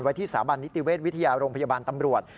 ที่สถาบันนิติเวชวิทยาโรงพยาบาลตำรวจ